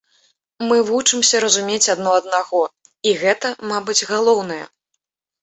Мы вучымся разумець адно аднаго, і гэта, мабыць, галоўнае.